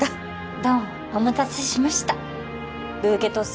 どうもお待たせしましたブーケトス